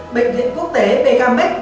bệnh viện quốc tế bkmx